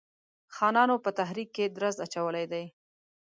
خانانو په تحریک کې درز اچولی دی.